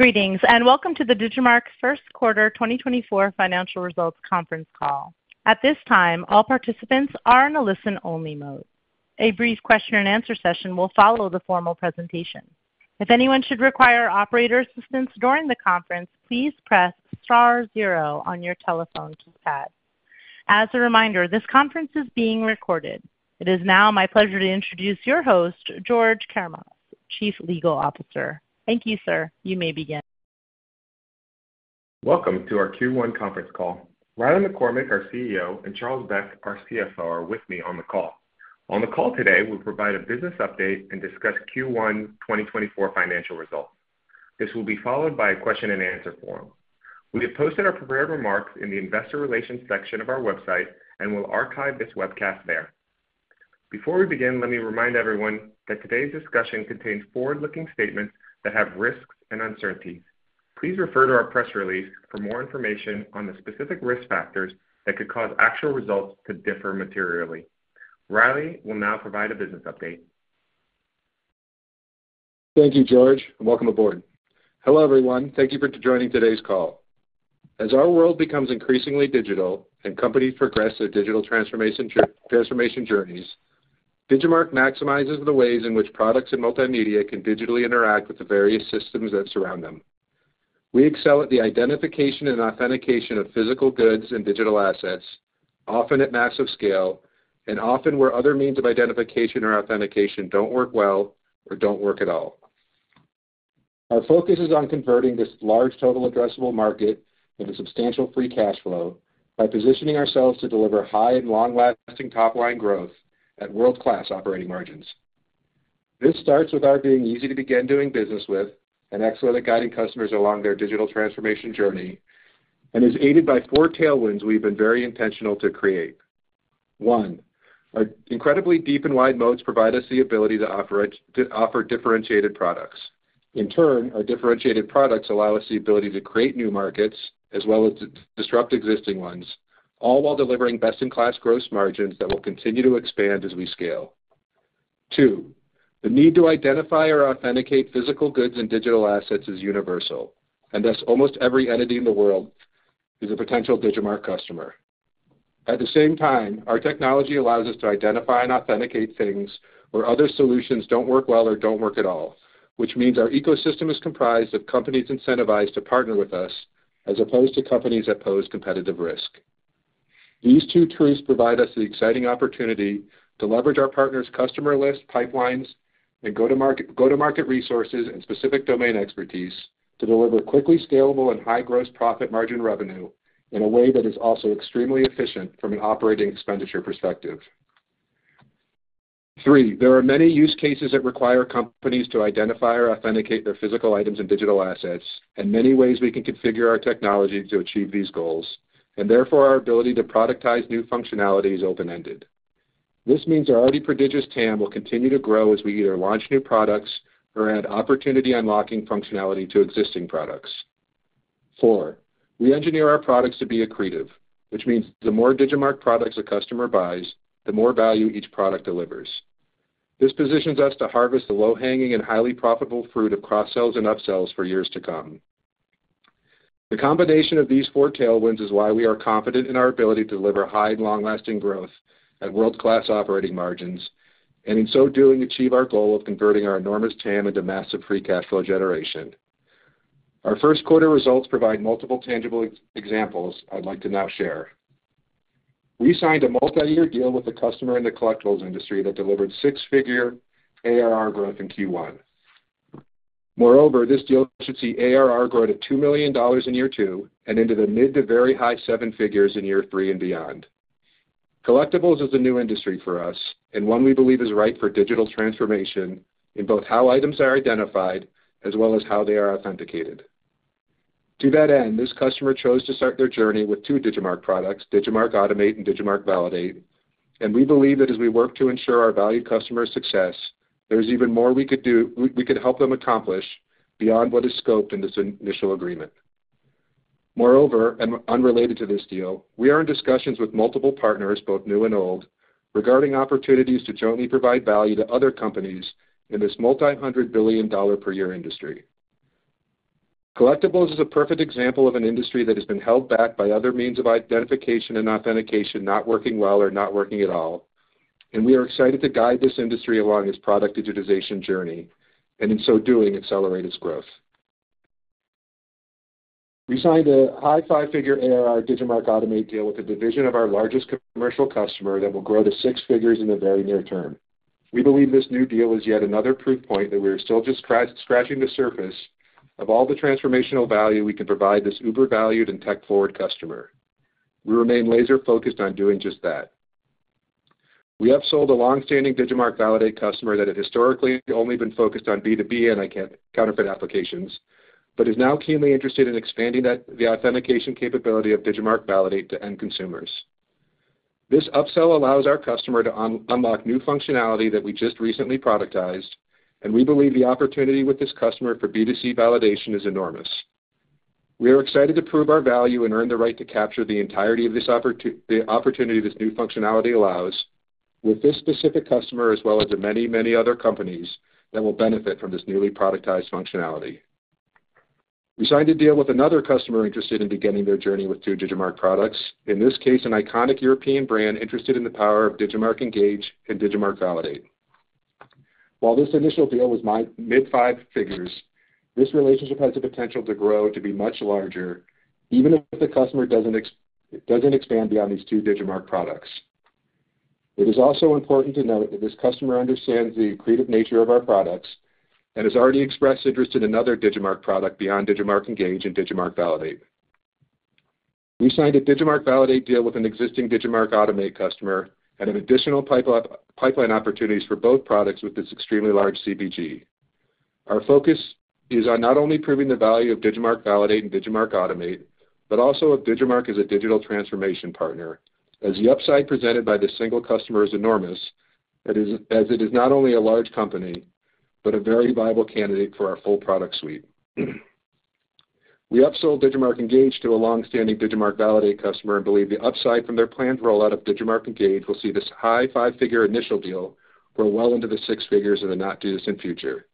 Greetings and welcome to the Digimarc first quarter 2024 financial results conference call. At this time, all participants are in a listen-only mode. A brief question-and-answer session will follow the formal presentation. If anyone should require operator assistance during the conference, please press star zero on your telephone keypad. As a reminder, this conference is being recorded. It is now my pleasure to introduce your host, George Karamanos, Chief Legal Officer. Thank you, sir. You may begin. Welcome to our Q1 conference call. Riley McCormack, our CEO, and Charles Beck, our CFO, are with me on the call. On the call today, we'll provide a business update and discuss Q1 2024 financial results. This will be followed by a question-and-answer forum. We have posted our prepared remarks in the Investor Relations section of our website and will archive this webcast there. Before we begin, let me remind everyone that today's discussion contains forward-looking statements that have risks and uncertainties. Please refer to our press release for more information on the specific risk factors that could cause actual results to differ materially. Riley will now provide a business update. Thank you, George, and welcome aboard. Hello, everyone. Thank you for joining today's call. As our world becomes increasingly digital and companies progress their digital transformation journeys, Digimarc maximizes the ways in which products and multimedia can digitally interact with the various systems that surround them. We excel at the identification and authentication of physical goods and digital assets, often at massive scale, and often where other means of identification or authentication don't work well or don't work at all. Our focus is on converting this large total addressable market into substantial free cash flow by positioning ourselves to deliver high and long-lasting top-line growth at world-class operating margins. This starts with our being easy to begin doing business with and excellent at guiding customers along their digital transformation journey and is aided by four tailwinds we've been very intentional to create. One, our incredibly deep and wide modes provide us the ability to offer differentiated products. In turn, our differentiated products allow us the ability to create new markets as well as to disrupt existing ones, all while delivering best-in-class gross margins that will continue to expand as we scale. Two, the need to identify or authenticate physical goods and digital assets is universal, and thus almost every entity in the world is a potential Digimarc customer. At the same time, our technology allows us to identify and authenticate things where other solutions don't work well or don't work at all, which means our ecosystem is comprised of companies incentivized to partner with us as opposed to companies that pose competitive risk. These two truths provide us the exciting opportunity to leverage our partner's customer list pipelines and go-to-market resources and specific domain expertise to deliver quickly scalable and high gross profit margin revenue in a way that is also extremely efficient from an operating expenditure perspective. Three, there are many use cases that require companies to identify or authenticate their physical items and digital assets and many ways we can configure our technology to achieve these goals and therefore our ability to productize new functionalities open-ended. This means our already prodigious TAM will continue to grow as we either launch new products or add opportunity unlocking functionality to existing products. Four, we engineer our products to be accretive, which means the more Digimarc products a customer buys, the more value each product delivers. This positions us to harvest the low-hanging and highly profitable fruit of cross-sells and upsells for years to come. The combination of these four tailwinds is why we are confident in our ability to deliver high and long-lasting growth at world-class operating margins and in so doing achieve our goal of converting our enormous TAM into massive free cash flow generation. Our first quarter results provide multiple tangible examples I'd like to now share. We signed a multi-year deal with a customer in the collectibles industry that delivered six-figure ARR growth in Q1. Moreover, this deal should see ARR grow to $2 million in year two and into the mid to very high seven figures in year three and beyond. Collectibles is a new industry for us and one we believe is ripe for digital transformation in both how items are identified as well as how they are authenticated. To that end, this customer chose to start their journey with two Digimarc products, Digimarc Automate and Digimarc Validate, and we believe that as we work to ensure our valued customer's success, there's even more we could help them accomplish beyond what is scoped in this initial agreement. Moreover, and unrelated to this deal, we are in discussions with multiple partners, both new and old, regarding opportunities to jointly provide value to other companies in this multi-hundred-billion- dollar-per-year industry. Collectibles is a perfect example of an industry that has been held back by other means of identification and authentication not working well or not working at all, and we are excited to guide this industry along its product digitization journey and in so doing accelerate its growth. We signed a high five-figure ARR Digimarc Automate deal with a division of our largest commercial customer that will grow to six figures in the very near term. We believe this new deal is yet another proof point that we are still just scratching the surface of all the transformational value we can provide this uber-valued and tech-forward customer. We remain laser-focused on doing just that. We have sold a longstanding Digimarc Validate customer that had historically only been focused on B2B and counterfeit applications but is now keenly interested in expanding the authentication capability of Digimarc Validate to end consumers. This upsell allows our customer to unlock new functionality that we just recently productized, and we believe the opportunity with this customer for B2C validation is enormous. We are excited to prove our value and earn the right to capture the entirety of the opportunity this new functionality allows with this specific customer as well as many, many other companies that will benefit from this newly productized functionality. We signed a deal with another customer interested in beginning their journey with two Digimarc products, in this case an iconic European brand interested in the power of Digimarc Engage and Digimarc Validate. While this initial deal was mid-five figures, this relationship has the potential to grow to be much larger even if the customer doesn't expand beyond these two Digimarc products. It is also important to note that this customer understands the accretive nature of our products and has already expressed interest in another Digimarc product beyond Digimarc Engage and Digimarc Validate. We signed a Digimarc Validate deal with an existing Digimarc Automate customer and have additional pipeline opportunities for both products with this extremely large CPG. Our focus is on not only proving the value of Digimarc Validate and Digimarc Automate but also of Digimarc as a digital transformation partner as the upside presented by this single customer is enormous as it is not only a large company but a very viable candidate for our full product suite. We upsold Digimarc Engage to a longstanding Digimarc Validate customer and believe the upside from their planned rollout of Digimarc Engage will see this high five-figure initial deal grow well into the six figures in the near term and future.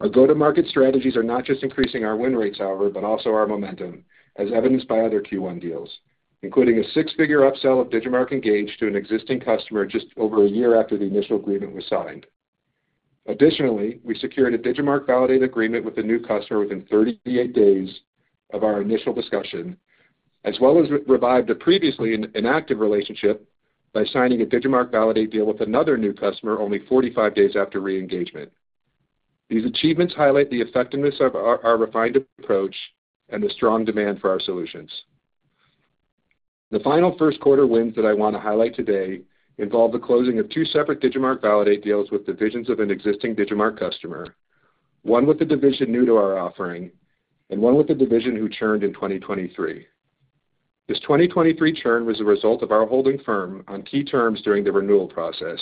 Our go-to-market strategies are not just increasing our win rates, however, but also our momentum as evidenced by other Q1 deals, including a six-figure upsell of Digimarc Engage to an existing customer just over a year after the initial agreement was signed. Additionally, we secured a Digimarc Validate agreement with a new customer within 38 days of our initial discussion as well as revived a previously inactive relationship by signing a Digimarc Validate deal with another new customer only 45 days after re-engagement. These achievements highlight the effectiveness of our refined approach and the strong demand for our solutions. The final first quarter wins that I want to highlight today involve the closing of two separate Digimarc Validate deals with divisions of an existing Digimarc customer, one with a division new to our offering and one with a division who churned in 2023. This 2023 churn was a result of our holding firm on key terms during the renewal process,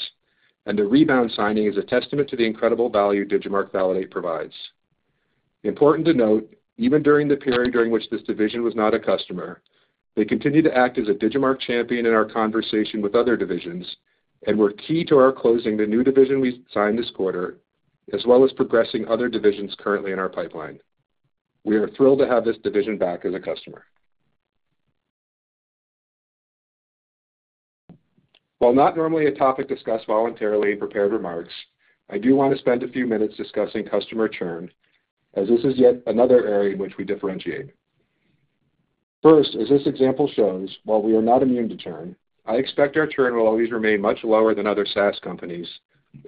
and the rebound signing is a testament to the incredible value Digimarc Validate provides. Important to note, even during the period during which this division was not a customer, they continued to act as a Digimarc champion in our conversation with other divisions and were key to our closing the new division we signed this quarter as well as progressing other divisions currently in our pipeline. We are thrilled to have this division back as a customer. While not normally a topic discussed voluntarily in prepared remarks, I do want to spend a few minutes discussing customer churn as this is yet another area in which we differentiate. First, as this example shows, while we are not immune to churn, I expect our churn will always remain much lower than other SaaS companies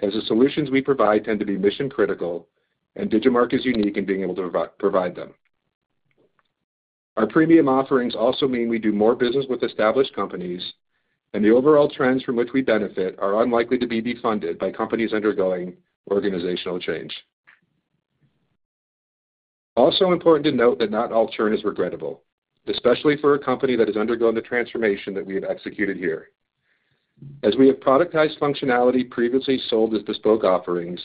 as the solutions we provide tend to be mission-critical and Digimarc is unique in being able to provide them. Our premium offerings also mean we do more business with established companies, and the overall trends from which we benefit are unlikely to be defunded by companies undergoing organizational change. Also important to note that not all churn is regrettable, especially for a company that has undergone the transformation that we have executed here. As we have productized functionality previously sold as bespoke offerings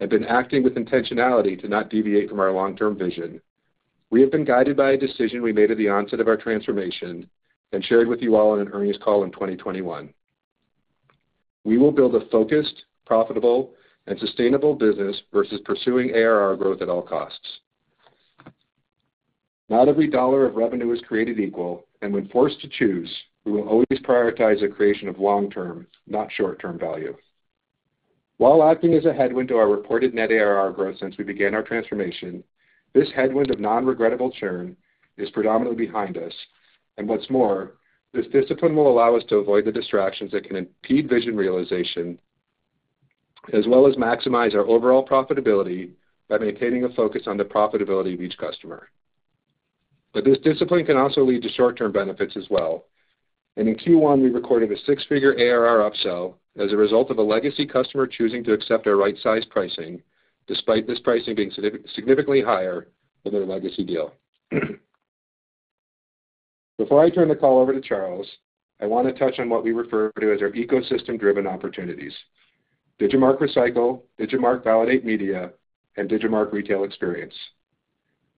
and been acting with intentionality to not deviate from our long-term vision, we have been guided by a decision we made at the onset of our transformation and shared with you all in an earnings call in 2021. We will build a focused, profitable, and sustainable business versus pursuing ARR growth at all costs. Not every dollar of revenue is created equal, and when forced to choose, we will always prioritize the creation of long-term, not short-term value. While acting as a headwind to our reported net ARR growth since we began our transformation, this headwind of non-regrettable churn is predominantly behind us. And what's more, this discipline will allow us to avoid the distractions that can impede vision realization as well as maximize our overall profitability by maintaining a focus on the profitability of each customer. But this discipline can also lead to short-term benefits as well. And in Q1, we recorded a six-figure ARR upsell as a result of a legacy customer choosing to accept our right-sized pricing despite this pricing being significantly higher than their legacy deal. Before I turn the call over to Charles, I want to touch on what we refer to as our ecosystem-driven opportunities: Digimarc Recycle, Digimarc Validate Media, and Digimarc Retail Experience.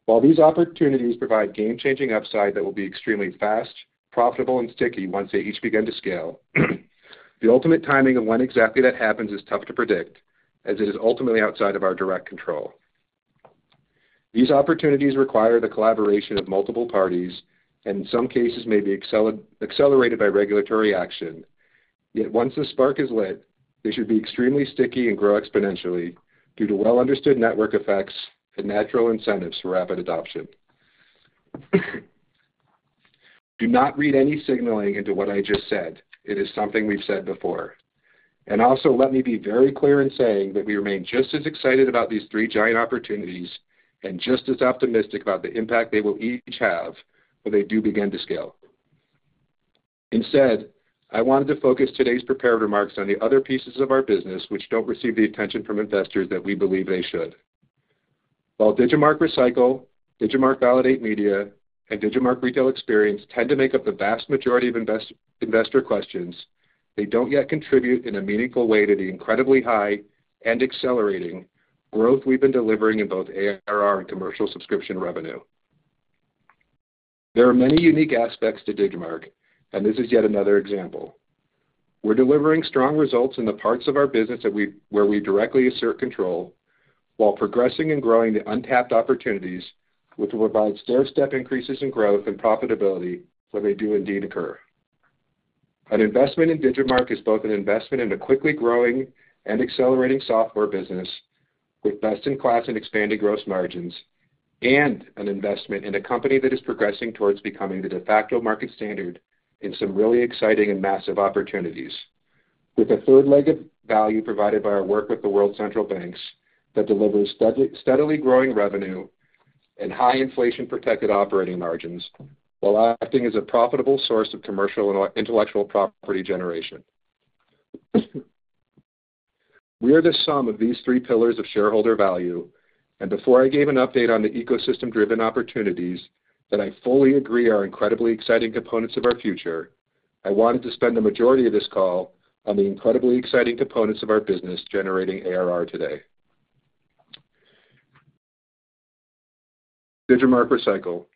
While these opportunities provide game-changing upside that will be extremely fast, profitable, and sticky once they each begin to scale, the ultimate timing of when exactly that happens is tough to predict as it is ultimately outside of our direct control. These opportunities require the collaboration of multiple parties and in some cases may be accelerated by regulatory action. Yet once the spark is lit, they should be extremely sticky and grow exponentially due to well-understood network effects and natural incentives for rapid adoption. Do not read any signaling into what I just said. It is something we've said before. And also, let me be very clear in saying that we remain just as excited about these three giant opportunities and just as optimistic about the impact they will each have when they do begin to scale. Instead, I wanted to focus today's prepared remarks on the other pieces of our business which don't receive the attention from investors that we believe they should. While Digimarc Recycle, Digimarc Validate Media, and Digimarc Retail Experience tend to make up the vast majority of investor questions, they don't yet contribute in a meaningful way to the incredibly high and accelerating growth we've been delivering in both ARR and commercial subscription revenue. There are many unique aspects to Digimarc, and this is yet another example. We're delivering strong results in the parts of our business where we directly assert control while progressing and growing the untapped opportunities which will provide stair-step increases in growth and profitability when they do indeed occur. An investment in Digimarc is both an investment in a quickly growing and accelerating software business with best-in-class and expanding gross margins and an investment in a company that is progressing towards becoming the de facto market standard in some really exciting and massive opportunities with a third leg of value provided by our work with the World Central Banks that delivers steadily growing revenue and high inflation-protected operating margins while acting as a profitable source of commercial and intellectual property generation. We are the sum of these three pillars of shareholder value. Before I gave an update on the ecosystem-driven opportunities that I fully agree are incredibly exciting components of our future, I wanted to spend the majority of this call on the incredibly exciting components of our business generating ARR today. Digimarc Recycle.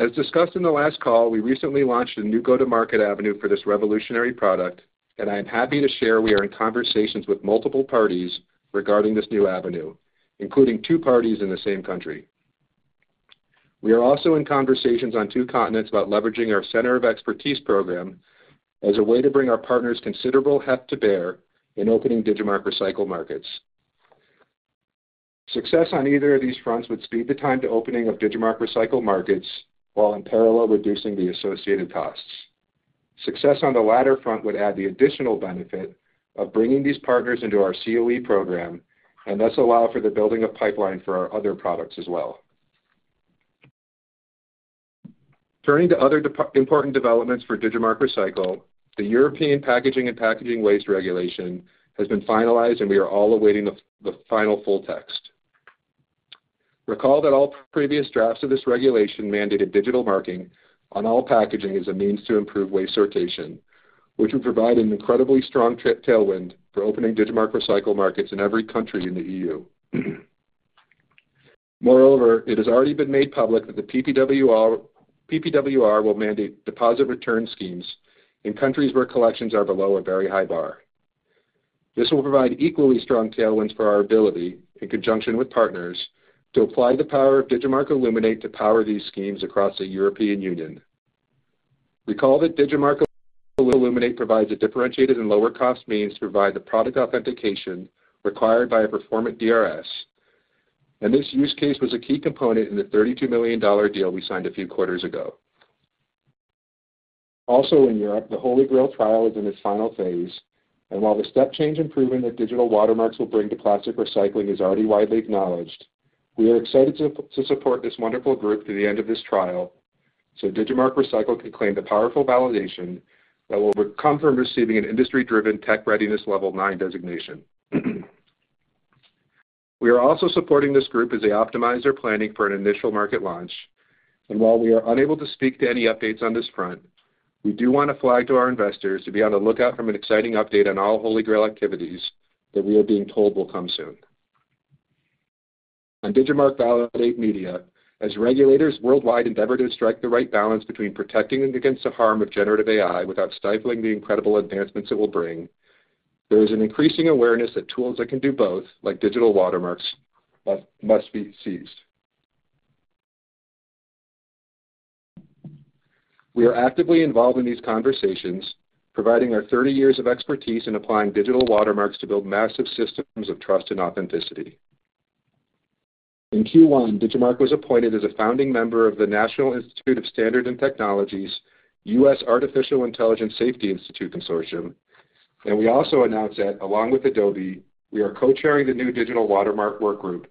As discussed in the last call, we recently launched a new go-to-market avenue for this revolutionary product, and I am happy to share we are in conversations with multiple parties regarding this new avenue, including two parties in the same country. We are also in conversations on two continents about leveraging our Center of Expertise program as a way to bring our partners considerable heft to bear in opening Digimarc Recycle markets. Success on either of these fronts would speed the time to opening of Digimarc Recycle markets while in parallel reducing the associated costs. Success on the latter front would add the additional benefit of bringing these partners into our COE program and thus allow for the building of pipeline for our other products as well. Turning to other important developments for Digimarc Recycle, the European Packaging and Packaging Waste Regulation has been finalized, and we are all awaiting the final full text. Recall that all previous drafts of this regulation mandated digital marking on all packaging as a means to improve waste sortation, which would provide an incredibly strong tailwind for opening Digimarc Recycle markets in every country in the EU. Moreover, it has already been made public that the PPWR will mandate deposit return schemes in countries where collections are below a very high bar. This will provide equally strong tailwinds for our ability, in conjunction with partners, to apply the power of Digimarc Illuminate to power these schemes across the European Union. Recall that Digimarc Illuminate provides a differentiated and lower-cost means to provide the product authentication required by a performant DRS, and this use case was a key component in the $32 million deal we signed a few quarters ago. Also in Europe, the HolyGrail trial is in its final phase, and while the step change improvement that digital watermarks will bring to plastic recycling is already widely acknowledged, we are excited to support this wonderful group through the end of this trial so Digimarc Recycle can claim the powerful validation that will come from receiving an industry-driven tech readiness level nine designation. We are also supporting this group as they optimize their planning for an initial market launch. While we are unable to speak to any updates on this front, we do want to flag to our investors to be on the lookout for an exciting update on all HolyGrail activities that we are being told will come soon. On Digimarc Validate Media, as regulators worldwide endeavor to strike the right balance between protecting against the harm of generative AI without stifling the incredible advancements it will bring, there is an increasing awareness that tools that can do both, like digital watermarks, must be seized. We are actively involved in these conversations, providing our 30 years of expertise in applying digital watermarks to build massive systems of trust and authenticity. In Q1, Digimarc was appointed as a founding member of the National Institute of Standards and Technology U.S. Artificial Intelligence Safety Institute Consortium. We also announced that, along with Adobe, we are co-chairing the new digital watermark workgroup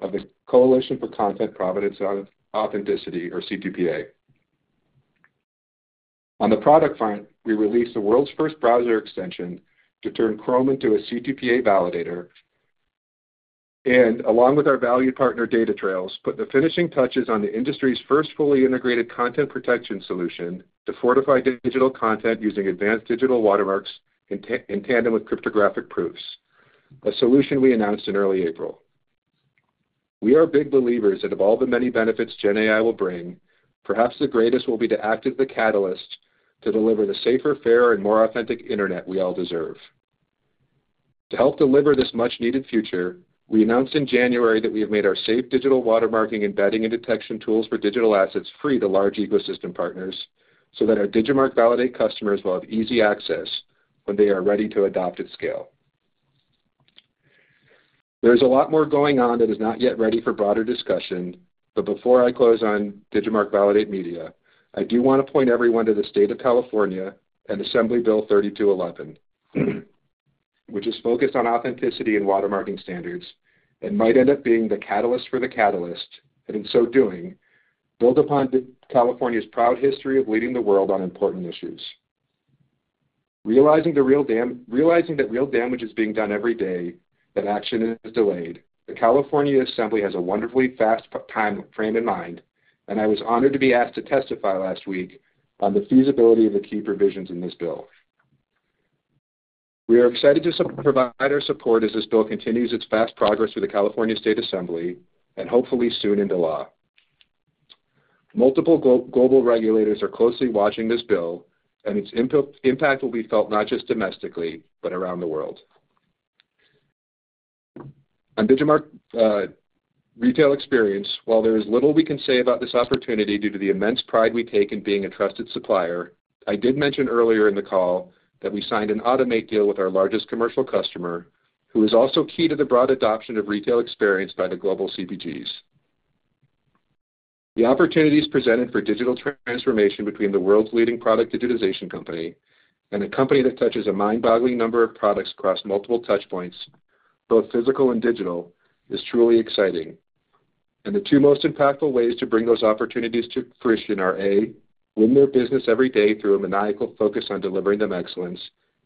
of the Coalition for Content Provenance and Authenticity, or C2PA. On the product front, we released the world's first browser extension to turn Chrome into a C2PA validator and, along with our value partner DataTrails, put the finishing touches on the industry's first fully integrated content protection solution to fortify digital content using advanced digital watermarks in tandem with cryptographic proofs, a solution we announced in early April. We are big believers that of all the many benefits GenAI will bring, perhaps the greatest will be to act as the catalyst to deliver the safer, fairer, and more authentic internet we all deserve. To help deliver this much-needed future, we announced in January that we have made our safe digital watermarking embedding and detection tools for digital assets free to large ecosystem partners so that our Digimarc Validate customers will have easy access when they are ready to adopt at scale. There is a lot more going on that is not yet ready for broader discussion. But before I close on Digimarc Validate Media, I do want to point everyone to the State of California and Assembly Bill 3211, which is focused on authenticity and watermarking standards and might end up being the catalyst for the catalyst and in so doing build upon California's proud history of leading the world on important issues. Realizing that real damage is being done every day, that action is delayed, the California Assembly has a wonderfully fast time frame in mind, and I was honored to be asked to testify last week on the feasibility of the key provisions in this bill. We are excited to provide our support as this bill continues its fast progress through the California State Assembly and hopefully soon into law. Multiple global regulators are closely watching this bill, and its impact will be felt not just domestically but around the world. On Digimarc Retail Experience, while there is little we can say about this opportunity due to the immense pride we take in being a trusted supplier, I did mention earlier in the call that we signed an Automate deal with our largest commercial customer who is also key to the broad adoption of Retail Experience by the global CPGs. The opportunities presented for digital transformation between the world's leading product digitization company and a company that touches a mind-boggling number of products across multiple touchpoints, both physical and digital, is truly exciting. The two most impactful ways to bring those opportunities to fruition are, A, win their business every day through a maniacal focus on delivering them excellence,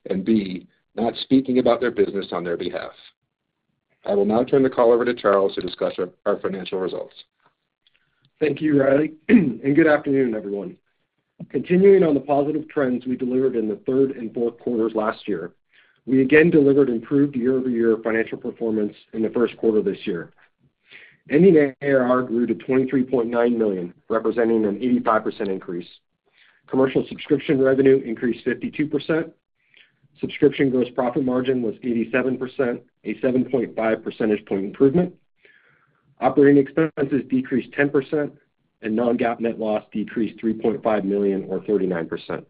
and B, not speaking about their business on their behalf. I will now turn the call over to Charles to discuss our financial results. Thank you, Riley. Good afternoon, everyone. Continuing on the positive trends we delivered in the third and fourth quarters last year, we again delivered improved year-over-year financial performance in the first quarter this year. Ending ARR grew to $23.9 million, representing an 85% increase. Commercial subscription revenue increased 52%. Subscription gross profit margin was 87%, a 7.5 percentage point improvement. Operating expenses decreased 10%, and non-GAAP net loss decreased $3.5 million or 39%.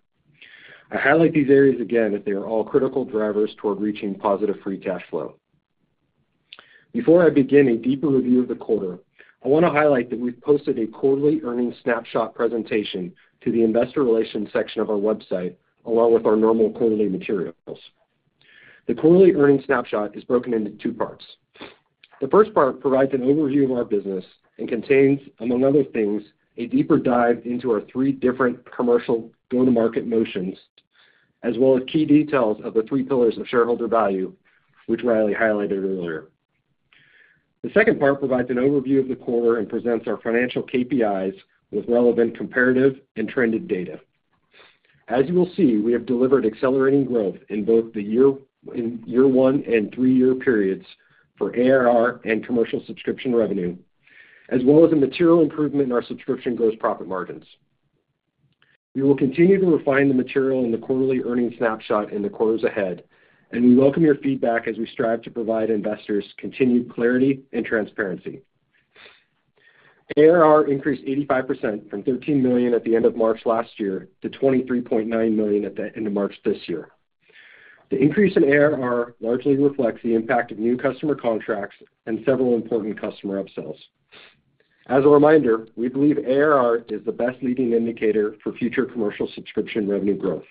I highlight these areas again as they are all critical drivers toward reaching positive free cash flow. Before I begin a deeper review of the quarter, I want to highlight that we've posted a quarterly earnings snapshot presentation to the investor relations section of our website along with our normal quarterly materials. The quarterly earnings snapshot is broken into two parts. The first part provides an overview of our business and contains, among other things, a deeper dive into our three different commercial go-to-market motions as well as key details of the three pillars of shareholder value, which Riley highlighted earlier. The second part provides an overview of the quarter and presents our financial KPIs with relevant comparative and trended data. As you will see, we have delivered accelerating growth in both the year one and three-year periods for ARR and commercial subscription revenue as well as a material improvement in our subscription gross profit margins. We will continue to refine the material in the quarterly earnings snapshot in the quarters ahead, and we welcome your feedback as we strive to provide investors continued clarity and transparency. ARR increased 85% from $13 million at the end of March last year to $23.9 million at the end of March this year. The increase in ARR largely reflects the impact of new customer contracts and several important customer upsells. As a reminder, we believe ARR is the best leading indicator for future commercial subscription revenue growth.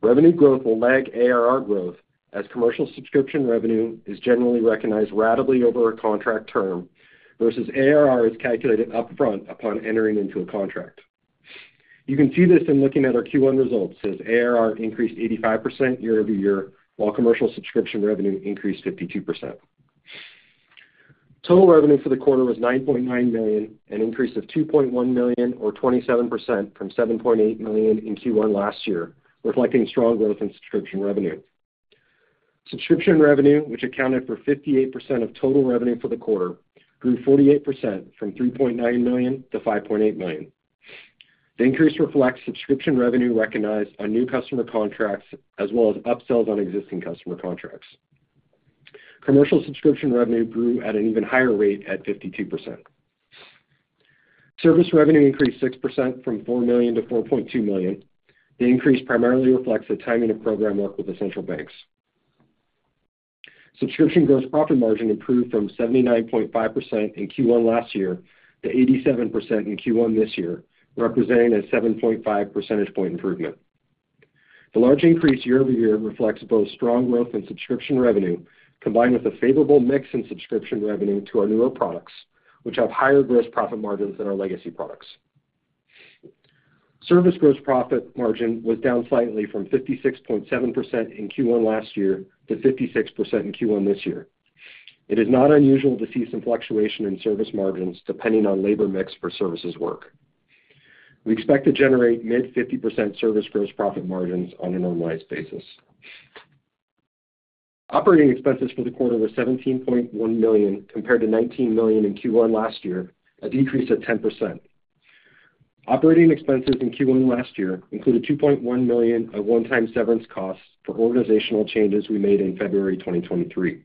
Revenue growth will lag ARR growth as commercial subscription revenue is generally recognized ratably over a contract term versus ARR is calculated upfront upon entering into a contract. You can see this in looking at our Q1 results as ARR increased 85% year-over-year while commercial subscription revenue increased 52%. Total revenue for the quarter was $9.9 million, an increase of $2.1 million or 27% from $7.8 million in Q1 last year, reflecting strong growth in subscription revenue. Subscription revenue, which accounted for 58% of total revenue for the quarter, grew 48% from $3.9 million to $5.8 million. The increase reflects subscription revenue recognized on new customer contracts as well as upsells on existing customer contracts. Commercial subscription revenue grew at an even higher rate at 52%. Service revenue increased 6% from $4 million to $4.2 million. The increase primarily reflects the timing of program work with the central banks. Subscription gross profit margin improved from 79.5% in Q1 last year to 87% in Q1 this year, representing a 7.5 percentage point improvement. The large increase year-over-year reflects both strong growth in subscription revenue combined with a favorable mix in subscription revenue to our newer products, which have higher gross profit margins than our legacy products. Service gross profit margin was down slightly from 56.7% in Q1 last year to 56% in Q1 this year. It is not unusual to see some fluctuation in service margins depending on labor mix for services work. We expect to generate mid-50% service gross profit margins on a normalized basis. Operating expenses for the quarter were $17.1 million compared to $19 million in Q1 last year, a decrease of 10%. Operating expenses in Q1 last year included $2.1 million of one-time severance costs for organizational changes we made in February 2023.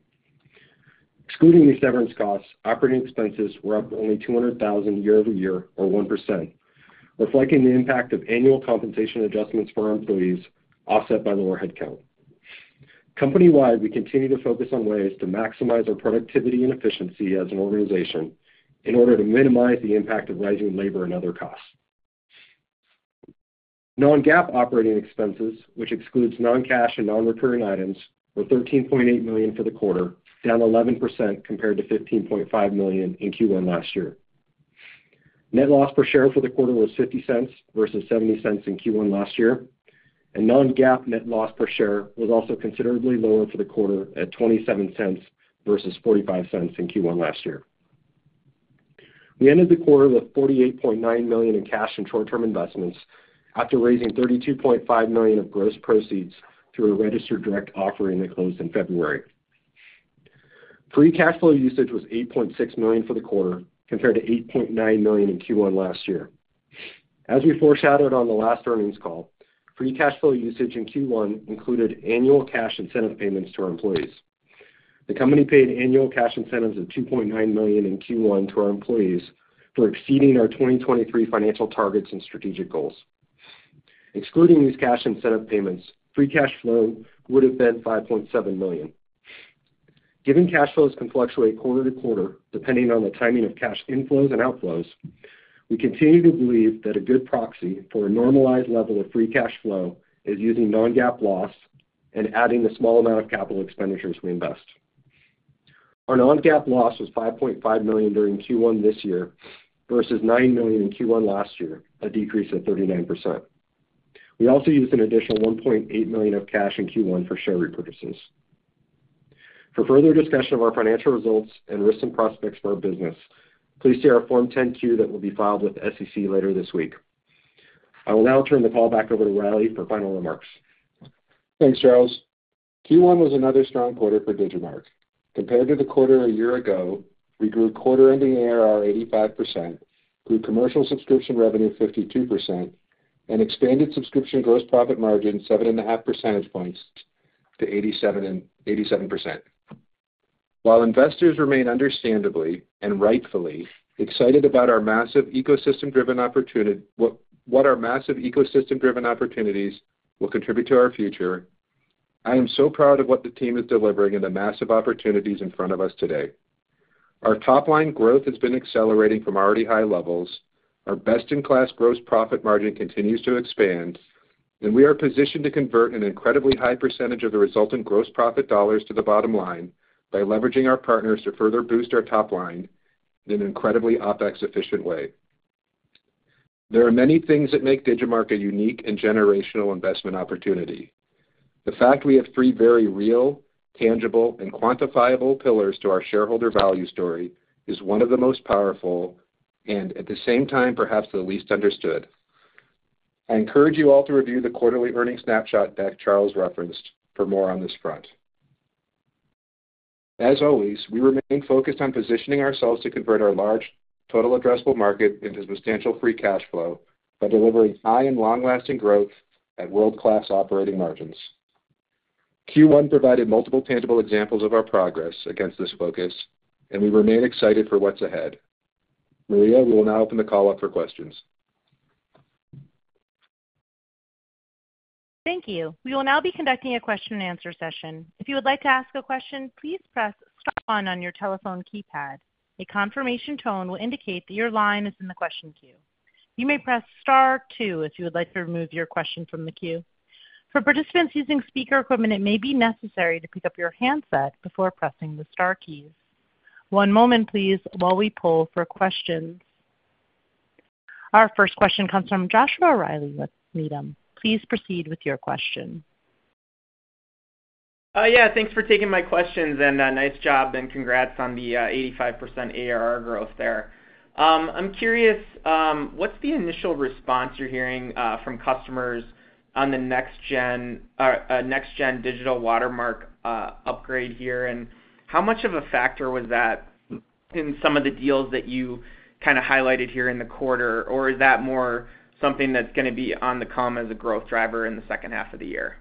Excluding these severance costs, operating expenses were up only $200,000 year-over-year or 1%, reflecting the impact of annual compensation adjustments for our employees offset by lower headcount. Company-wide, we continue to focus on ways to maximize our productivity and efficiency as an organization in order to minimize the impact of rising labor and other costs. Non-GAAP operating expenses, which excludes non-cash and non-recurring items, were $13.8 million for the quarter, down 11% compared to $15.5 million in Q1 last year. Net loss per share for the quarter was $0.50 versus $0.70 in Q1 last year, and non-GAAP net loss per share was also considerably lower for the quarter at $0.27 versus $0.45 in Q1 last year. We ended the quarter with $48.9 million in cash and short-term investments after raising $32.5 million of gross proceeds through a registered direct offering that closed in February. Free cash flow usage was $8.6 million for the quarter compared to $8.9 million in Q1 last year. As we foreshadowed on the last earnings call, free cash flow usage in Q1 included annual cash incentive payments to our employees. The company paid annual cash incentives of $2.9 million in Q1 to our employees for exceeding our 2023 financial targets and strategic goals. Excluding these cash incentive payments, free cash flow would have been $5.7 million. Given cash flows can fluctuate quarter to quarter depending on the timing of cash inflows and outflows, we continue to believe that a good proxy for a normalized level of free cash flow is using non-GAAP loss and adding the small amount of capital expenditures we invest. Our non-GAAP loss was $5.5 million during Q1 this year versus $9 million in Q1 last year, a decrease of 39%. We also used an additional $1.8 million of cash in Q1 for share repurchases. For further discussion of our financial results and risks and prospects for our business, please see our Form 10-Q that will be filed with SEC later this week. I will now turn the call back over to Riley for final remarks. Thanks, Charles. Q1 was another strong quarter for Digimarc. Compared to the quarter a year ago, we grew quarter-ending ARR 85%, grew commercial subscription revenue 52%, and expanded subscription gross profit margin 7.5 percentage points to 87%. While investors remain understandably and rightfully excited about what our massive ecosystem-driven opportunities will contribute to our future, I am so proud of what the team is delivering and the massive opportunities in front of us today. Our top-line growth has been accelerating from already high levels. Our best-in-class gross profit margin continues to expand, and we are positioned to convert an incredibly high percentage of the resultant gross profit dollars to the bottom line by leveraging our partners to further boost our top-line in an incredibly OpEx-efficient way. There are many things that make Digimarc a unique and generational investment opportunity. The fact we have three very real, tangible, and quantifiable pillars to our shareholder value story is one of the most powerful and at the same time, perhaps the least understood. I encourage you all to review the quarterly earnings snapshot that Charles referenced for more on this front. As always, we remain focused on positioning ourselves to convert our large total addressable market into substantial free cash flow by delivering high and long-lasting growth at world-class operating margins. Q1 provided multiple tangible examples of our progress against this focus, and we remain excited for what's ahead. Maria, we will now open the call up for questions. Thank you. We will now be conducting a question-and-answer session. If you would like to ask a question, please press star one on your telephone keypad. A confirmation tone will indicate that your line is in the question queue. You may press star two if you would like to remove your question from the queue. For participants using speaker equipment, it may be necessary to pick up your handset before pressing the star keys. One moment, please, while we pull for questions. Our first question comes from Joshua with Reilly Needham. Please proceed with your question. Yeah. Thanks for taking my questions and nice job, and congrats on the 85% ARR growth there. I'm curious, what's the initial response you're hearing from customers on the next-gen digital watermark upgrade here, and how much of a factor was that in some of the deals that you kind of highlighted here in the quarter, or is that more something that's going to be on the come as a growth driver in the second half of the year?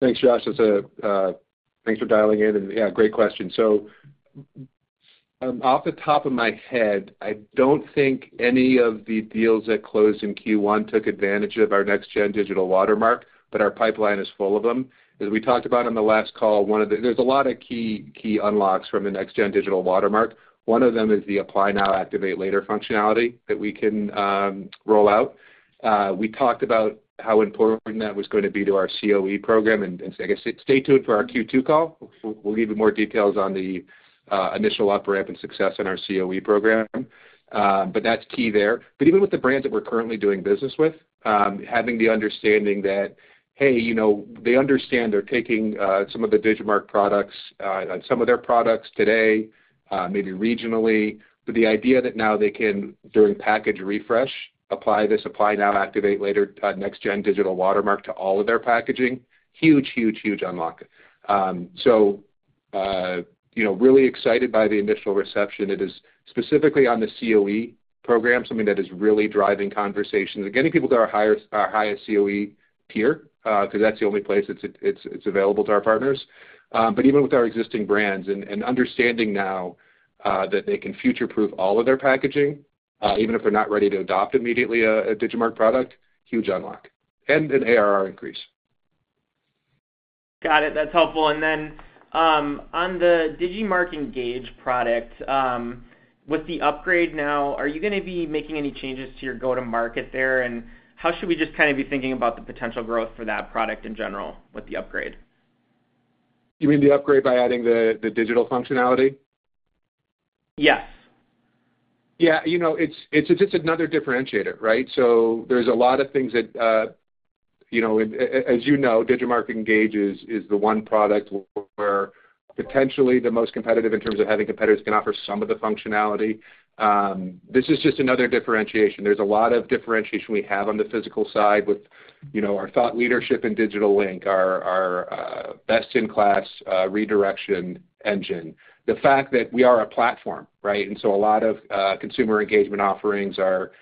Thanks, Joshua. Thanks for dialing in. And yeah, great question. So off the top of my head, I don't think any of the deals that closed in Q1 took advantage of our next-gen digital watermark, but our pipeline is full of them. As we talked about on the last call, there's a lot of key unlocks from the next-gen digital watermark. One of them is the Apply Now, Activate Later functionality that we can roll out. We talked about how important that was going to be to our COE program. And I guess stay tuned for our Q2 call. We'll give you more details on the initial upramp and success in our COE program, but that's key there. But even with the brands that we're currently doing business with, having the understanding that, "Hey, they understand they're taking some of the Digimarc products on some of their products today, maybe regionally," but the idea that now they can, during package refresh, apply this, Apply Now, Activate Later, next-gen digital watermark to all of their packaging, huge, huge, huge unlock. So really excited by the initial reception. It is specifically on the COE program, something that is really driving conversations and getting people to our highest COE tier because that's the only place it's available to our partners. But even with our existing brands and understanding now that they can future-proof all of their packaging, even if they're not ready to adopt immediately a Digimarc product, huge unlock and an ARR increase. Got it. That's helpful. And then on the Digimarc Engage product, with the upgrade now, are you going to be making any changes to your go-to-market there, and how should we just kind of be thinking about the potential growth for that product in general with the upgrade? You mean the upgrade by adding the digital functionality? Yes. Yeah. It's just another differentiator, right? So there's a lot of things that as you know, Digimarc Engage is the one product where potentially the most competitive in terms of having competitors can offer some of the functionality. This is just another differentiation. There's a lot of differentiation we have on the physical side with our thought leadership in Digital Link, our best-in-class redirection engine, the fact that we are a platform, right? And so a lot of consumer engagement offerings are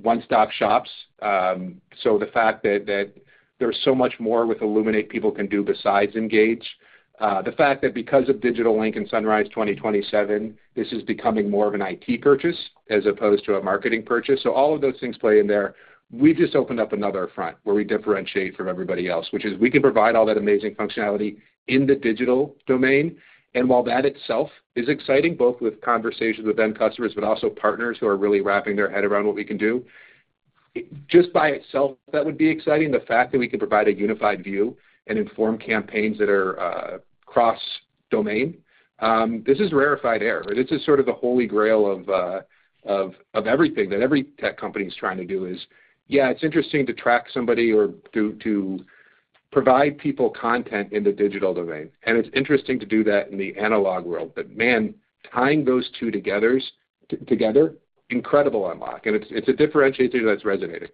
one-stop shops. So the fact that there's so much more with Illuminate people can do besides Engage, the fact that because of Digital Link and Sunrise 2027, this is becoming more of an IT purchase as opposed to a marketing purchase. So all of those things play in there. We've just opened up another front where we differentiate from everybody else, which is we can provide all that amazing functionality in the digital domain. And while that itself is exciting, both with conversations with end customers but also partners who are really wrapping their head around what we can do, just by itself, that would be exciting, the fact that we can provide a unified view and inform campaigns that are cross-domain. This is rarified air, right? This is sort of the HolyGrail of everything that every tech company is trying to do is, "Yeah, it's interesting to track somebody or to provide people content in the digital domain. And it's interesting to do that in the analog world." But man, tying those two together, incredible unlock. And it's a differentiator that's resonating.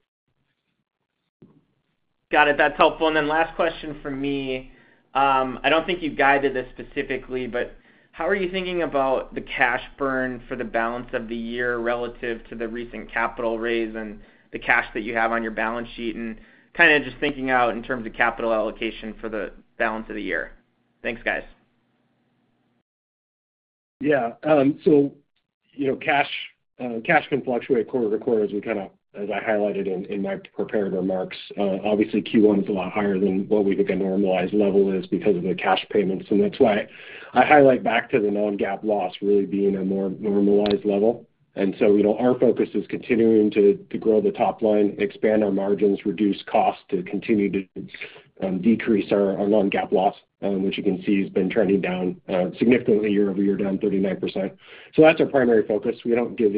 Got it. That's helpful. And then last question for me. I don't think you guided this specifically, but how are you thinking about the cash burn for the balance of the year relative to the recent capital raise and the cash that you have on your balance sheet and kind of just thinking out in terms of capital allocation for the balance of the year? Thanks, guys. Yeah. So cash can fluctuate quarter to quarter as I highlighted in my prepared remarks. Obviously, Q1 is a lot higher than what we think a normalized level is because of the cash payments. And that's why I highlight back to the non-GAAP loss really being a more normalized level. And so our focus is continuing to grow the top line, expand our margins, reduce costs to continue to decrease our non-GAAP loss, which you can see has been trending down significantly year-over-year, down 39%. So that's our primary focus. We don't give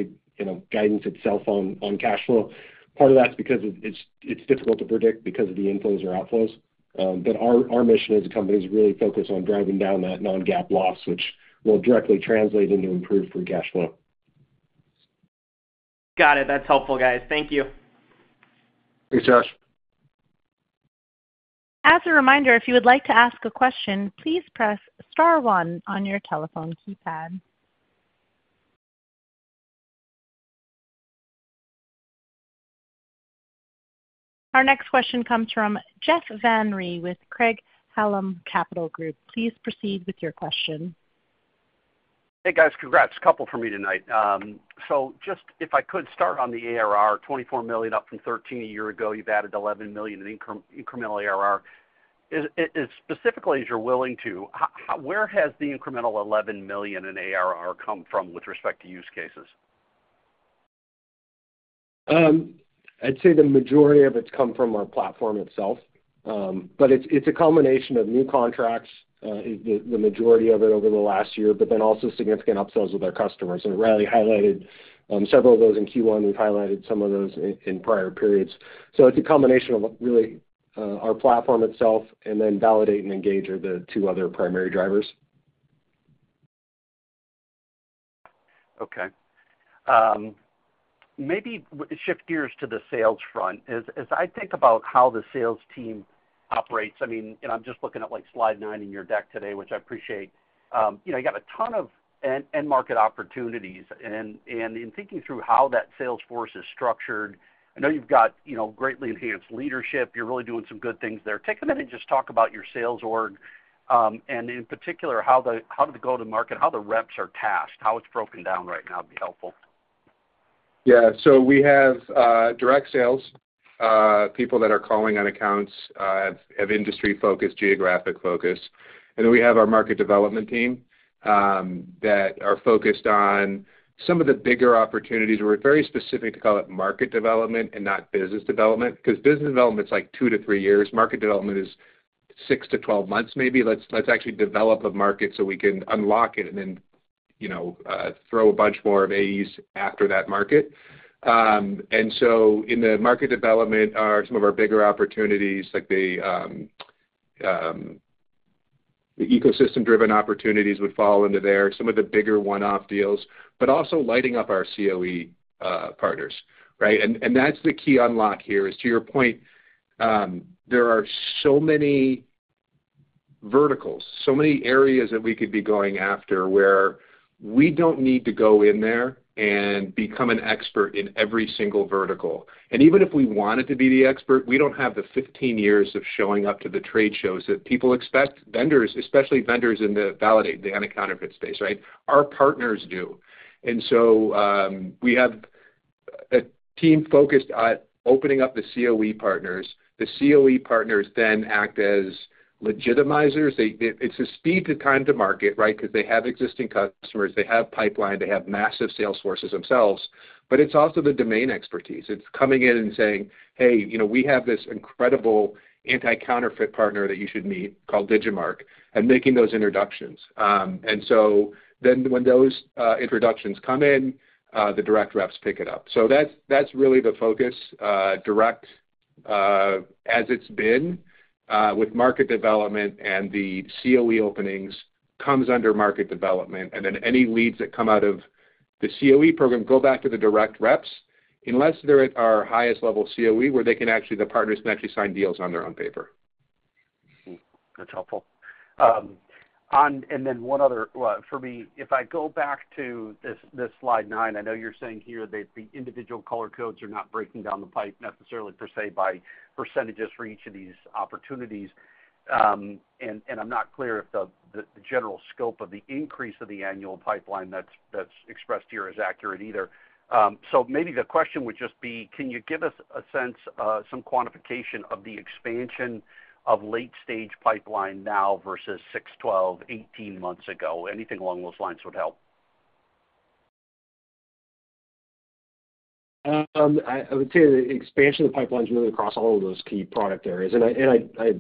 guidance itself on cash flow. Part of that's because it's difficult to predict because of the inflows or outflows. But our mission as a company is really focused on driving down that non-GAAP loss, which will directly translate into improved free cash flow. Got it. That's helpful, guys. Thank you. Thanks, Josh. As a reminder, if you would like to ask a question, please press star one on your telephone keypad. Our next question comes from Jeff Van Rhee with Craig-Hallum Capital Group. Please proceed with your question. Hey, guys. Congrats. Couple for me tonight. So just if I could start on the ARR, $24 million up from $13 million a year ago. You've added $11 million in incremental ARR. Specifically, as you're willing to, where has the incremental $11 million in ARR come from with respect to use cases? I'd say the majority of it's come from our platform itself. But it's a combination of new contracts is the majority of it over the last year, but then also significant upsells with our customers. And Riley highlighted several of those in Q1. We've highlighted some of those in prior periods. So it's a combination of really our platform itself and then Validate and Engage are the two other primary drivers. Okay. Maybe shift gears to the sales front. As I think about how the sales team operates, I mean, and I'm just looking at slide nine in your deck today, which I appreciate, you got a ton of end-market opportunities. In thinking through how that sales force is structured, I know you've got greatly enhanced leadership. You're really doing some good things there. Take a minute and just talk about your sales org and, in particular, how do the go-to-market, how the reps are tasked, how it's broken down right now would be helpful. Yeah. So we have direct sales, people that are calling on accounts, have industry-focused, geographic focus. And then we have our market development team that are focused on some of the bigger opportunities. We're very specific to call it market development and not business development because business development's like two to three years. Market development is six to 12 months maybe. Let's actually develop a market so we can unlock it and then throw a bunch more of AEs after that market. And so in the market development, some of our bigger opportunities, like the ecosystem-driven opportunities would fall into there, some of the bigger one-off deals, but also lighting up our COE partners, right? And that's the key unlock here is, to your point, there are so many verticals, so many areas that we could be going after where we don't need to go in there and become an expert in every single vertical. And even if we wanted to be the expert, we don't have the 15 years of showing up to the trade shows that people expect, especially vendors in the Validate, the anti-counterfeit space, right? Our partners do. And so we have a team focused on opening up the COE partners. The COE partners then act as legitimizers. It's a speed-to-time to market, right, because they have existing customers. They have pipeline. They have massive sales forces themselves. But it's also the domain expertise. It's coming in and saying, "Hey, we have this incredible anti-counterfeit partner that you should meet called Digimarc," and making those introductions. So then when those introductions come in, the direct reps pick it up. So that's really the focus. Direct, as it's been with market development and the COE openings, comes under market development. Then any leads that come out of the COE program go back to the direct reps unless they're at our highest-level COE where the partners can actually sign deals on their own paper. That's helpful. Then one other for me, if I go back to this slide 9, I know you're saying here that the individual color codes are not breaking down the pipe necessarily per se by percentages for each of these opportunities. And I'm not clear if the general scope of the increase of the annual pipeline that's expressed here is accurate either. So maybe the question would just be, can you give us a sense, some quantification of the expansion of late-stage pipeline now versus 6, 12, 18 months ago? Anything along those lines would help. I would say the expansion of the pipeline's really across all of those key product areas. And I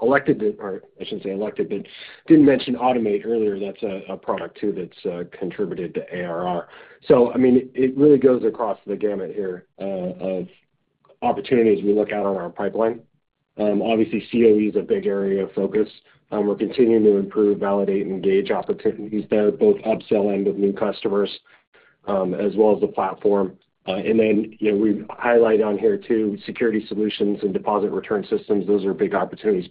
elected to, or I shouldn't say elected, but didn't mention Automate earlier. That's a product too that's contributed to ARR. So I mean, it really goes across the gamut here of opportunities we look at on our pipeline. Obviously, COE is a big area of focus. We're continuing to improve Validate and Engage opportunities there, both upsell and with new customers as well as the platform. And then we highlight on here too security solutions and deposit return systems. Those are big opportunities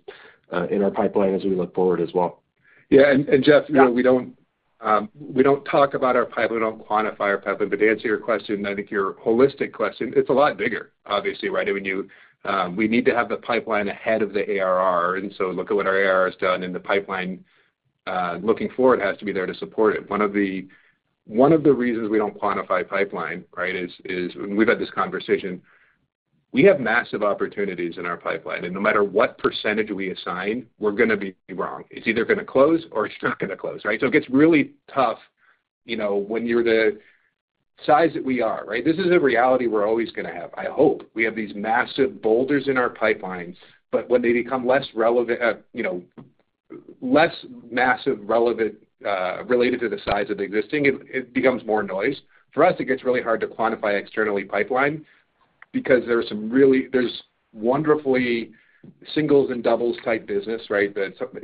in our pipeline as we look forward as well. Yeah. And Jeff, we don't talk about our pipeline. We don't quantify our pipeline. But to answer your question, I think your holistic question, it's a lot bigger, obviously, right? I mean, we need to have the pipeline ahead of the ARR. And so look at what our ARR has done, and the pipeline looking forward has to be there to support it. One of the reasons we don't quantify pipeline, right, is we've had this conversation. We have massive opportunities in our pipeline. And no matter what percentage we assign, we're going to be wrong. It's either going to close or it's not going to close, right? So it gets really tough when you're the size that we are, right? This is a reality we're always going to have, I hope. We have these massive boulders in our pipelines. But when they become less massive, related to the size of the existing, it becomes more noise. For us, it gets really hard to quantify externally pipeline because there are some really wonderful singles and doubles-type business, right?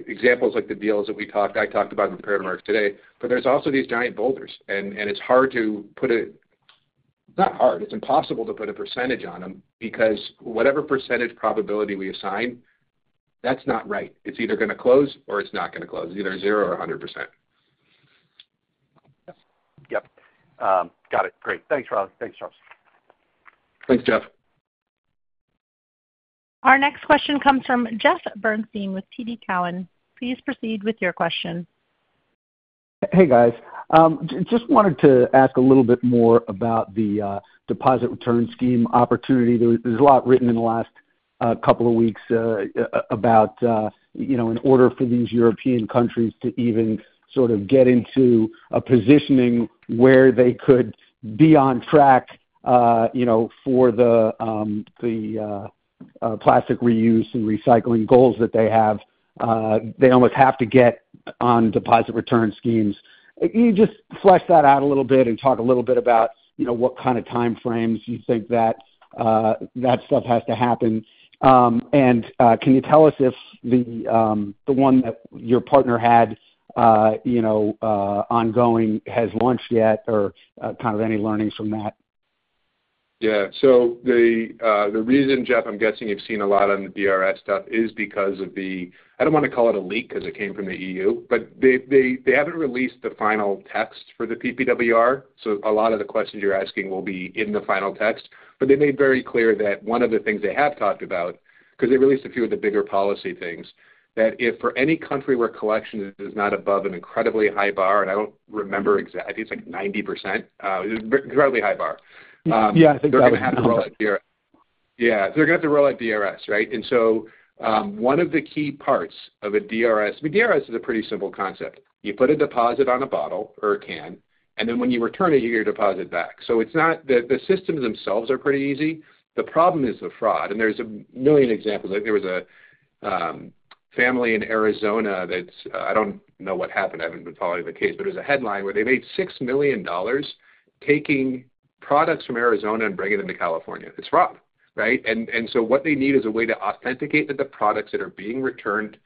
Examples like the deals that we talked, I talked about in the prepared remarks today. But there's also these giant boulders. And it's hard to put a. It's not hard. It's impossible to put a percentage on them because whatever percentage probability we assign, that's not right. It's either going to close or it's not going to close. It's either 0 or 100%. Yep. Got it. Great. Thanks, Riley. Thanks, Charles. Thanks, Jeff. Our next question comes from Jeff Bernstein with TD Cowen. Please proceed with your question. Hey, guys. Just wanted to ask a little bit more about the Deposit Return Scheme opportunity. There's a lot written in the last couple of weeks about in order for these European countries to even sort of get into a positioning where they could be on track for the plastic reuse and recycling goals that they have, they almost have to get on Deposit Return Schemes. Can you just flesh that out a little bit and talk a little bit about what kind of timeframes you think that stuff has to happen? And can you tell us if the one that your partner had ongoing has launched yet or kind of any learnings from that? Yeah. So the reason, Jeff, I'm guessing you've seen a lot on the DRS stuff is because of the. I don't want to call it a leak because it came from the EU, but they haven't released the final text for the PPWR. So a lot of the questions you're asking will be in the final text. But they made very clear that one of the things they have talked about because they released a few of the bigger policy things, that if for any country where collection is not above an incredibly high bar and I don't remember exact. I think it's like 90%. It's an incredibly high bar. Yeah. I think that was. They're going to have to roll out DRS. Yeah. So they're going to have to roll out DRS, right? And so one of the key parts of a DRS, I mean, DRS is a pretty simple concept. You put a deposit on a bottle or a can, and then when you return it, you get your deposit back. So the systems themselves are pretty easy. The problem is the fraud. And there's a million examples. There was a family in Arizona that's, I don't know, what happened. I haven't been following the case. But it was a headline where they made $6 million taking products from Arizona and bringing them to California. It's fraud, right? So what they need is a way to authenticate that the products that are being returned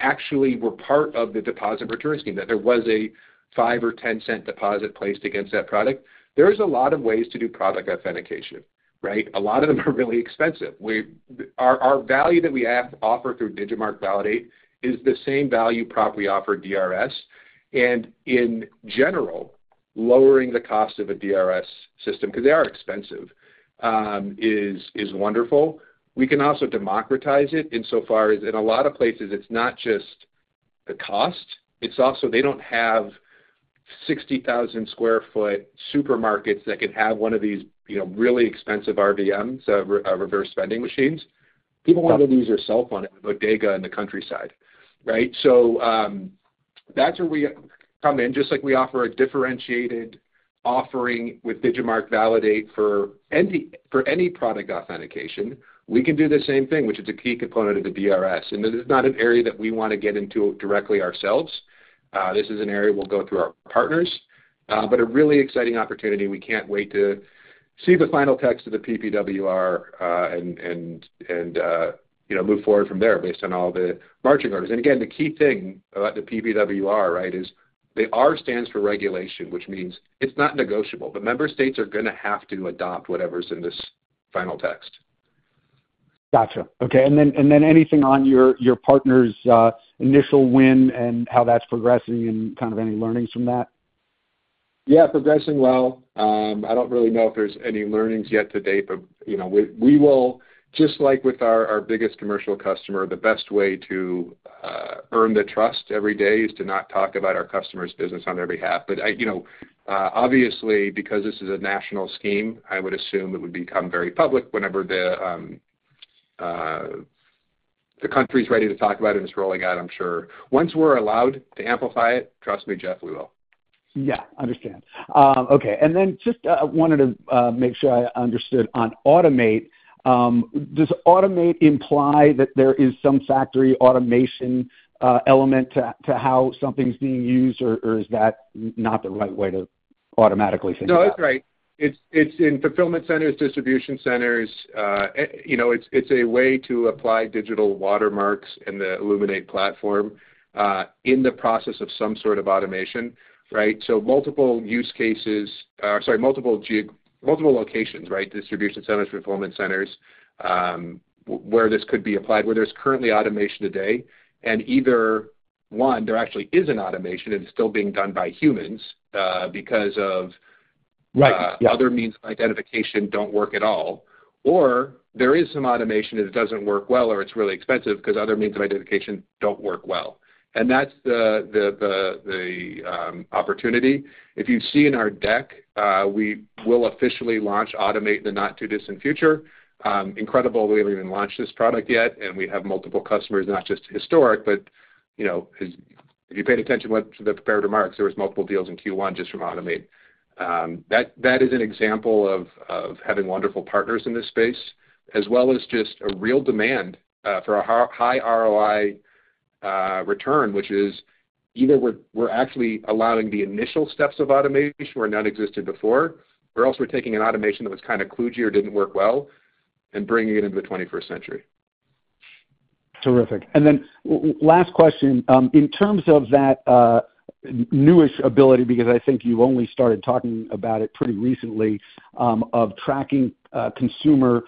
actually were part of the deposit return scheme, that there was a $0.05 or $0.10 deposit placed against that product. There's a lot of ways to do product authentication, right? A lot of them are really expensive. Our value that we offer through Digimarc Validate is the same value prop we offer DRS. And in general, lowering the cost of a DRS system because they are expensive is wonderful. We can also democratize it in so far as in a lot of places, it's not just the cost. It's also they don't have 60,000-square-foot supermarkets that can have one of these really expensive RVMs, reverse vending machines. People want to use their cell phone at a bodega in the countryside, right? So that's where we come in. Just like we offer a differentiated offering with Digimarc Validate for any product authentication, we can do the same thing, which is a key component of the DRS. It's not an area that we want to get into directly ourselves. This is an area we'll go through our partners. But a really exciting opportunity. We can't wait to see the final text of the PPWR and move forward from there based on all the marching orders. And again, the key thing about the PPWR, right, is the R stands for regulation, which means it's not negotiable. But member states are going to have to adopt whatever's in this final text. Gotcha. Okay. And then anything on your partner's initial win and how that's progressing and kind of any learnings from that? Yeah. Progressing well. I don't really know if there's any learnings yet to date. But we will just like with our biggest commercial customer, the best way to earn the trust every day is to not talk about our customer's business on their behalf. But obviously, because this is a national scheme, I would assume it would become very public whenever the country's ready to talk about it and it's rolling out, I'm sure. Once we're allowed to amplify it, trust me, Jeff, we will. Yeah. Understand. Okay. And then just wanted to make sure I understood on Automate. Does Automate imply that there is some factory automation element to how something's being used, or is that not the right way to automatically think about it? No, that's right. It's in fulfillment centers, distribution centers. It's a way to apply digital watermarks in the Illuminate platform in the process of some sort of automation, right? So multiple use cases or sorry, multiple locations, right, distribution centers, fulfillment centers, where this could be applied, where there's currently automation today. And either one, there actually is an automation and it's still being done by humans because of other means of identification don't work at all, or there is some automation and it doesn't work well or it's really expensive because other means of identification don't work well. And that's the opportunity. If you see in our deck, we will officially launch Automate in the not-too-distant future. Incredible. We haven't even launched this product yet. We have multiple customers, not just historic, but if you paid attention to the prepared remarks, there was multiple deals in Q1 just from Automate. That is an example of having wonderful partners in this space as well as just a real demand for a high ROI return, which is either we're actually allowing the initial steps of automation where none existed before, or else we're taking an automation that was kind of kludgy or didn't work well and bringing it into the 21st century. Terrific. And then last question. In terms of that newish ability, because I think you only started talking about it pretty recently, of tracking consumer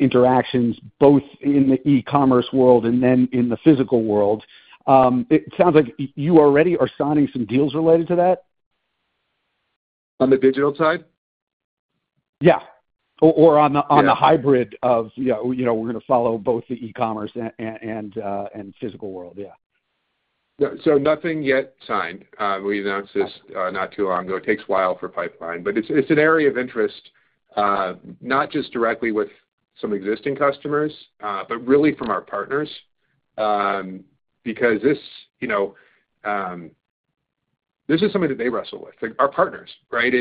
interactions both in the e-commerce world and then in the physical world, it sounds like you already are signing some deals related to that? On the digital side? Yeah. Or on the hybrid of, "Yeah, we're going to follow both the e-commerce and physical world." Yeah. Yeah. So nothing yet signed. We announced this not too long ago. It takes a while for pipeline. But it's an area of interest, not just directly with some existing customers, but really from our partners because this is something that they wrestle with, our partners, right?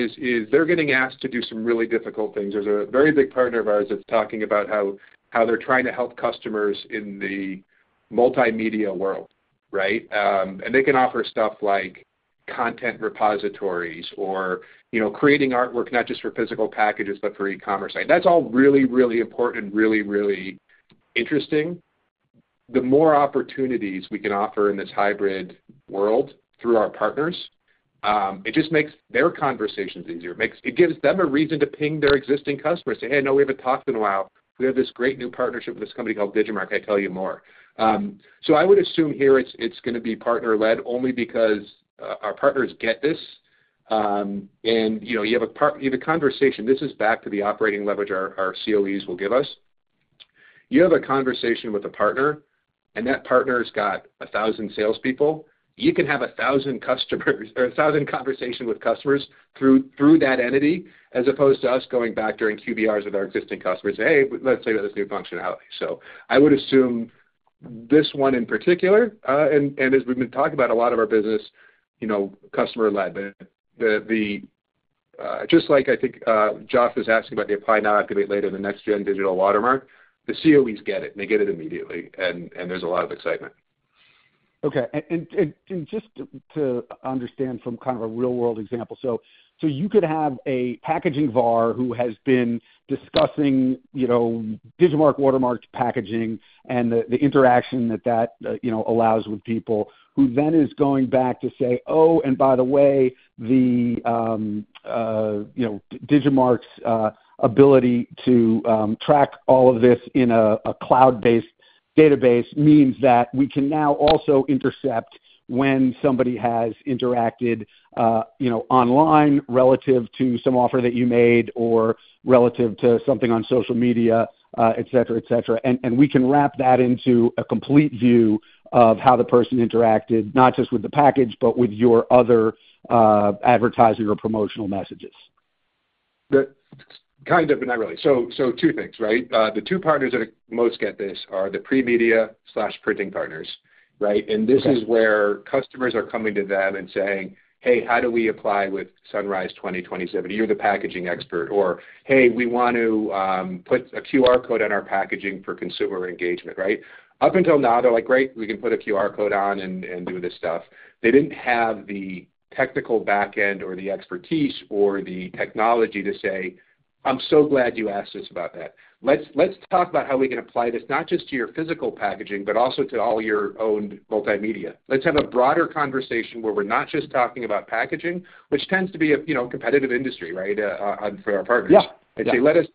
They're getting asked to do some really difficult things. There's a very big partner of ours that's talking about how they're trying to help customers in the multimedia world, right? And they can offer stuff like content repositories or creating artwork, not just for physical packages, but for e-commerce sites. That's all really, really important and really, really interesting. The more opportunities we can offer in this hybrid world through our partners, it just makes their conversations easier. It gives them a reason to ping their existing customers, say, "Hey, no, we haven't talked in a while. We have this great new partnership with this company called Digimarc. "I tell you more." So I would assume here it's going to be partner-led only because our partners get this. And you have a conversation. This is back to the operating leverage our COEs will give us. You have a conversation with a partner, and that partner's got 1,000 salespeople. You can have 1,000 customers or 1,000 conversations with customers through that entity as opposed to us going back during QBRs with our existing customers and saying, "Hey, let's see about this new functionality." So I would assume this one in particular, and as we've been talking about, a lot of our business, customer-led. But just like I think Jeff was asking about the Apply Now, Activate Later in the next-gen digital watermark, the COEs get it. They get it immediately. There's a lot of excitement. Okay. And just to understand from kind of a real-world example. So you could have a packaging VAR who has been discussing Digimarc watermarked packaging and the interaction that that allows with people who then is going back to say, "Oh, and by the way, the Digimarc's ability to track all of this in a cloud-based database means that we can now also intercept when somebody has interacted online relative to some offer that you made or relative to something on social media, etc., etc. And we can wrap that into a complete view of how the person interacted, not just with the package, but with your other advertising or promotional messages. Good. Kind of, but not really. So two things, right? The two partners that most get this are the premedia/printing partners, right? And this is where customers are coming to them and saying, "Hey, how do we apply with Sunrise 2027? You're the packaging expert." Or, "Hey, we want to put a QR code on our packaging for consumer engagement," right? Up until now, they're like, "Great. We can put a QR code on and do this stuff." They didn't have the technical backend or the expertise or the technology to say, "I'm so glad you asked us about that. Let's talk about how we can apply this not just to your physical packaging, but also to all your own multimedia. Let's have a broader conversation where we're not just talking about packaging," which tends to be a competitive industry, right, for our partners. And say, "Let us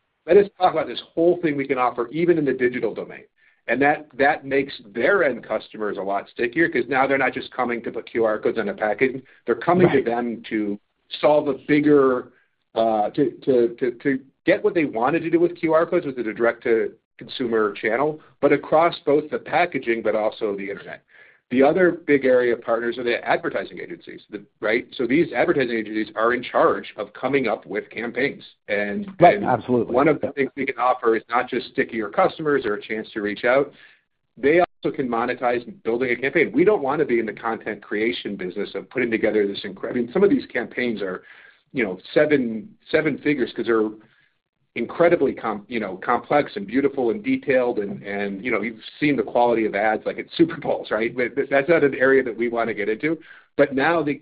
talk about this whole thing we can offer even in the digital domain." And that makes their end customers a lot stickier because now they're not just coming to put QR codes on a package. They're coming to them to solve a bigger to get what they wanted to do with QR codes with a direct-to-consumer channel, but across both the packaging but also the internet. The other big area of partners are the advertising agencies, right? So these advertising agencies are in charge of coming up with campaigns. And one of the things we can offer is not just stickier customers or a chance to reach out. They also can monetize building a campaign. We don't want to be in the content creation business of putting together this incredible I mean, some of these campaigns are seven figures because they're incredibly complex and beautiful and detailed. And you've seen the quality of ads like it's Super Bowls, right? That's not an area that we want to get into. But now they,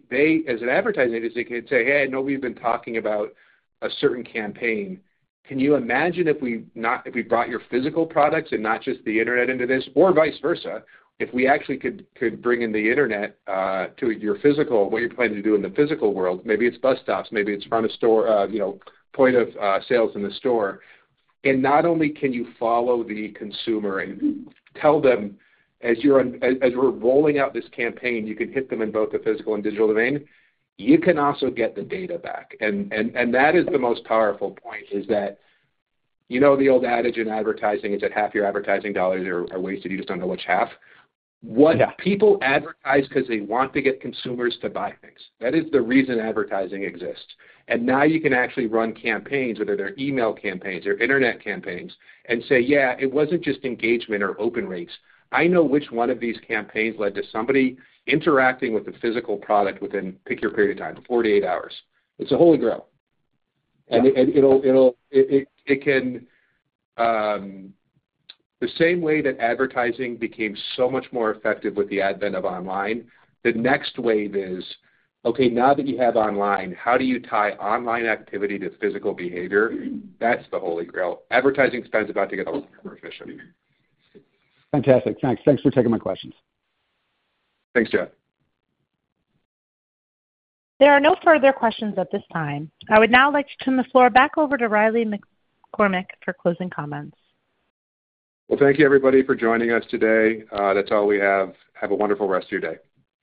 as an advertising agency, can say, "Hey, I know we've been talking about a certain campaign. Can you imagine if we brought your physical products and not just the internet into this?" Or vice versa, if we actually could bring in the internet to your physical, what you're planning to do in the physical world. Maybe it's bus stops. Maybe it's front of store, point of sales in the store. Not only can you follow the consumer and tell them, "As we're rolling out this campaign, you can hit them in both the physical and digital domain," you can also get the data back. That is the most powerful point, is that you know the old adage in advertising is that half your advertising dollars are wasted. You just don't know which half. People advertise because they want to get consumers to buy things. That is the reason advertising exists. Now you can actually run campaigns, whether they're email campaigns or internet campaigns, and say, "Yeah, it wasn't just engagement or open rates. I know which one of these campaigns led to somebody interacting with the physical product within, pick your period of time, 48 hours." It's a HolyGrail. It can the same way that advertising became so much more effective with the advent of online, the next wave is, "Okay, now that you have online, how do you tie online activity to physical behavior?" That's the HolyGrail. Advertising spend's about to get a lot more efficient. Fantastic. Thanks. Thanks for taking my questions. Thanks, Jeff. There are no further questions at this time. I would now like to turn the floor back over to Riley McCormack for closing comments. Well, thank you, everybody, for joining us today. That's all we have. Have a wonderful rest of your day.